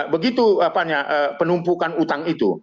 begitu penumpukan utang itu